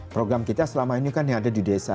program kita selama ini kan yang ada di desa